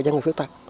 cho người khuyết tật